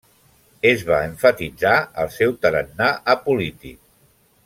Es va emfatitzar el seu tarannà apolític.